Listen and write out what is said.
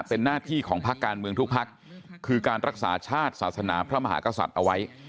เป็นหน้าที่ของพักการเมืองทุกพักคือการรักษาชาติศาสนาพระมหากษัตริย์เอาไว้